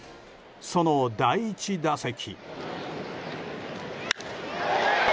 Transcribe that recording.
その第１打席。